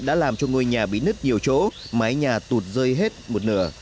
đã làm cho ngôi nhà bị nứt nhiều chỗ mái nhà tụt rơi hết một nửa